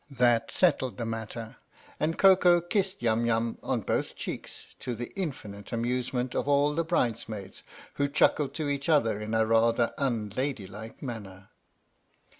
That settled the matter, and Koko kissed Yum Yum on both cheeks to the infinite amusement of all the bridesmaids, who chuckled to each other in a rather unladylike manner.